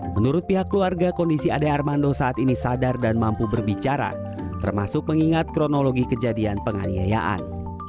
menurut pihak keluarga kondisi ade armando saat ini sadar dan mampu berbicara termasuk mengingat kronologi kejadian penganiayaan